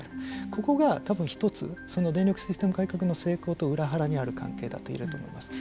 これがたぶん一つ電力システム改革の成功と裏腹にある関係だと言えると思います。